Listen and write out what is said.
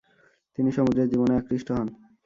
তিনি সমুদ্রের জীবনে আকৃষ্ট হন।